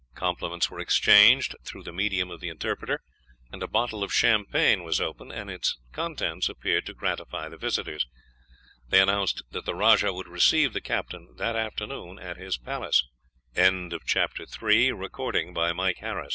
Compliments were exchanged through the medium of the interpreter, and a bottle of champagne was opened, and its contents appeared to gratify the visitors. They announced that the rajah would receive the captain that afternoon at his palace. CHAPTER IV. Neither of the midshipmen was present at the interview betwee